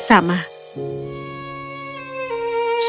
dia akan menemukan kucing itu bersama